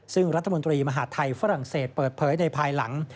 ซึ่งรัฐมนตรีมหาดไทยฝรั่งเศสเปิดเผยในภายหลัง